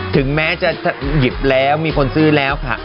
ถึงแม้จะหยิบแล้วมีคนซื้อแล้วค่ะ